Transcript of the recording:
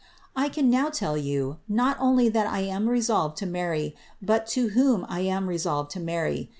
I can now tell you, not only that I am resolved but to whom I am resolved to marry.